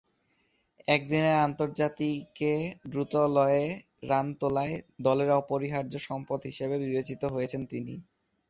একদিনের আন্তর্জাতিকে দ্রুতলয়ে রান তোলায় দলের অপরিহার্য সম্পদ হিসেবে বিবেচিত হয়েছেন তিনি।